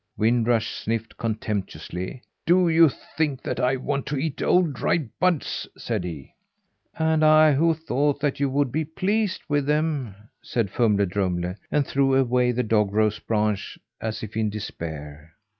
Wind Rush sniffed contemptuously. "Do you think that I want to eat old, dry buds?" said he. "And I who thought that you would be pleased with them!" said Fumle Drumle; and threw away the dog rose branch as if in despair.